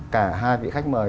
cả hai vị khách mời